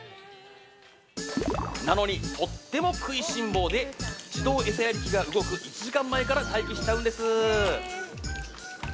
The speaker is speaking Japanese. なのに、とっても食いしん坊で自動餌やり機が動く１時間前から待機しちゃうんです。